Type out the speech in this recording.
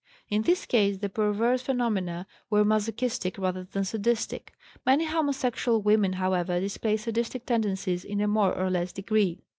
In this case the perverse phenomena were masochistic rather than sadistic. Many homosexual women, however, display sadistic tendencies in a more or less degree.